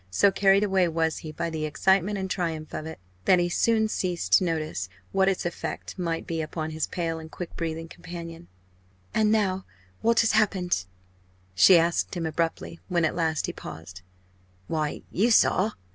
So carried away was he by the excitement and triumph of it, that he soon ceased to notice what its effect might be upon his pale and quick breathing companion. "And now what has happened?" she asked him abruptly, when at last he paused. "Why, you saw!"